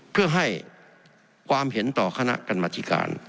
เพื่อให้ความเห็นต่อคณะกรรมธิการ